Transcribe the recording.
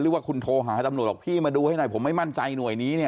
หรือว่าคุณโทรหาตำรวจบอกพี่มาดูให้หน่อยผมไม่มั่นใจหน่วยนี้เนี่ย